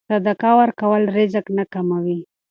صدقه ورکول رزق نه کموي.